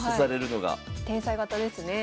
天才型ですね。